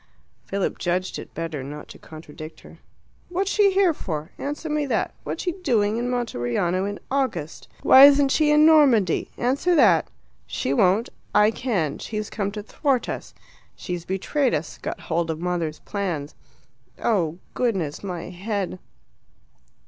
Philip judged it better not to contradict her. "What's she here for? Answer me that. What's she doing in Monteriano in August? Why isn't she in Normandy? Answer that. She won't. I can: she's come to thwart us; she's betrayed us got hold of mother's plans. Oh, goodness, my head!"